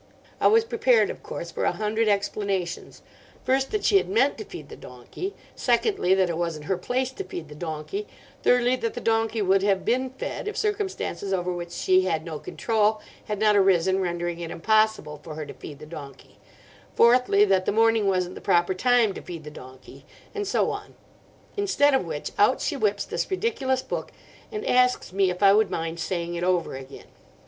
I was prepared, of course, for a hundred explanations: First, that she had meant to feed the donkey; secondly, that it wasn't her place to feed the donkey; thirdly, that the donkey would have been fed if circumstances over which she had no control had not arisen rendering it impossible for her to feed the donkey; fourthly, that the morning wasn't the proper time to feed the donkey, and so on. Instead of which, out she whips this ridiculous book and asks me if I would mind saying it over again.